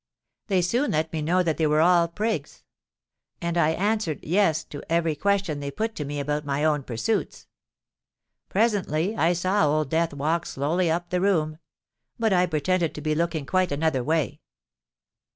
They soon let me know that they were all prigs; and I answered 'Yes' to every question they put to me about my own pursuits. Presently I saw Old Death walk slowly up the room: but I pretended to be looking quite another way.